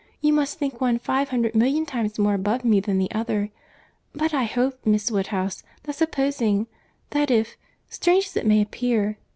You must think one five hundred million times more above me than the other. But I hope, Miss Woodhouse, that supposing—that if—strange as it may appear—.